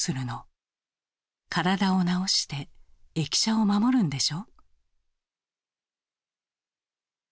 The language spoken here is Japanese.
体を治して駅舎を守るんでしょ」。